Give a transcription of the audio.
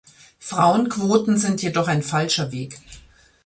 Frauenquoten sind jedoch ein falscher Weg.